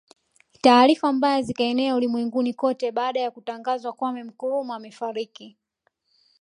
Taarifa mbaya zikaenea ulimwenguni kote baada ya Kutangazwa Kwame Nkrumah Amefariki